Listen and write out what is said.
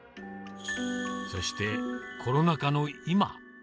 そして、コロナ禍の今。